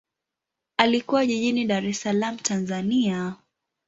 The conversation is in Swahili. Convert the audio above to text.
Alikulia jijini Dar es Salaam, Tanzania.